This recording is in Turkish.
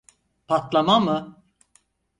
Patlama mı?